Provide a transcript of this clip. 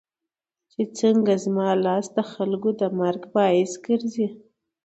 چې څنګه زما لاس دخلکو د مرګ باعث ګرځي